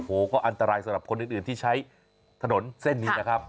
โอ้โหก็อันตรายสำหรับคนอื่นที่ใช้ถนนเส้นนี้นะครับ